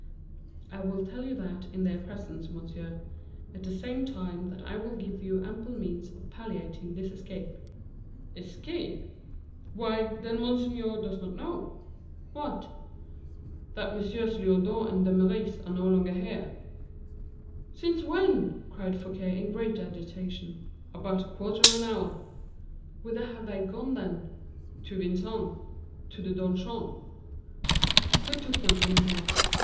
"I will tell you that in their presence, monsieur; at the same time that I will give you ample means of palliating this escape." "Escape! Why, then, monseigneur does not know?" "What?" "That Messieurs Lyodot and D'Eymeris are no longer here." "Since when?" cried Fouquet, in great agitation. "About a quarter of an hour." "Whither have they gone, then?" "To Vincennes—to the donjon." "Who took them from here?"